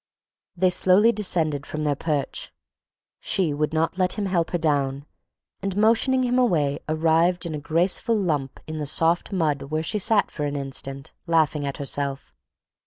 They slowly descended from their perch. She would not let him help her down and motioning him away arrived in a graceful lump in the soft mud where she sat for an instant, laughing at herself.